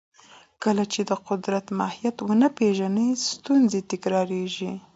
کله چې د قدرت ماهیت ونه پېژنو، ستونزې تکراریږي.